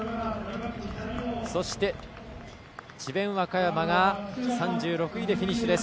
そして、智弁和歌山が３６位でフィニッシュです。